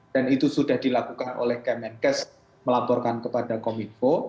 dan itu sudah dilakukan oleh kemenkes melaporkan kepada komunikasi info